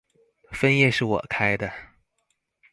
分頁是我開的